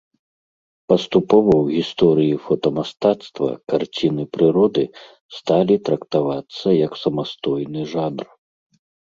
Паступова ў гісторыі фотамастацтва карціны прыроды сталі трактавацца як самастойны жанр.